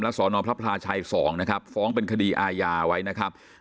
แล้วสพช๒นะครับฟ้องเป็นคดีอาญาไว้นะครับ